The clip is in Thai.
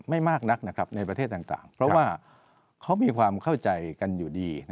ไม่มากนักนะครับในประเทศต่างเพราะว่าเขามีความเข้าใจกันอยู่ดี